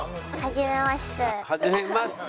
はじめまして。